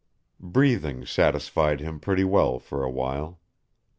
Breathing satisfied him pretty well for a while.